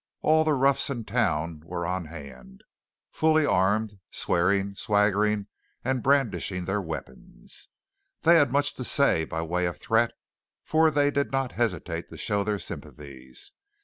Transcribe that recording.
All the roughs in town were on hand, fully armed, swearing, swaggering, and brandishing their weapons. They had much to say by way of threat, for they did not hesitate to show their sympathies.